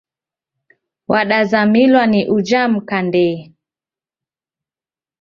Wadazamilwa ni ujha mka ndee.